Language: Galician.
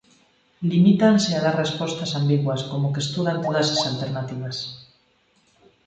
Limítanse a dar respostas ambiguas, como que estudan todas as alternativas.